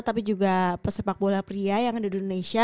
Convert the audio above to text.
tapi juga pesepak bola pria yang ada di indonesia